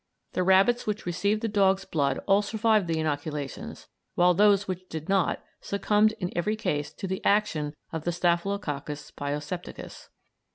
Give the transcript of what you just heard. The rabbits which received the dog's blood all survived the inoculations, whilst those which did not, succumbed in every case to the action of the Staphylococcus pyosepticus.